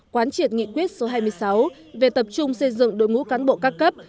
quán triệt nghị quyết số hai mươi sáu về tập trung xây dựng đội ngũ cán bộ các cấp